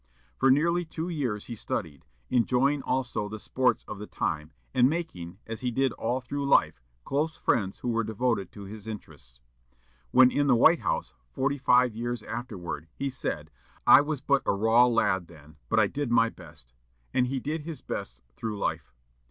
For nearly two years he studied, enjoying also the sports of the time, and making, as he did all through life, close friends who were devoted to his interests. When in the White House, forty five years afterward, he said, "I was but a raw lad then, but I did my best." And he did his best through life!